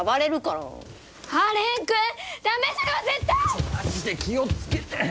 ちょマジで気を付けて。